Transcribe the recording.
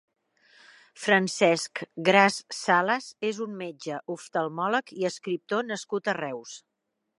Francesc Gras Salas és un metge oftalmòleg i escriptor nascut a Reus.